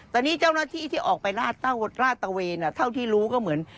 ตอนนี้เจ้าหน้าที่ที่ออกไปลาดตะเวนเท่าที่รู้ก็เหมือน